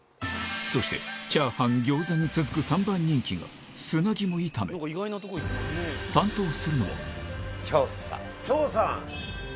そしてチャーハン餃子に続く３番人気が担当するのは張さん。